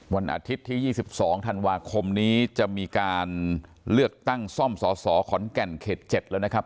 วันอาทิตย์ที่๒๒ธันวาคมนี้จะมีการเลือกตั้งซ่อมสสขอนแก่นเขต๗แล้วนะครับ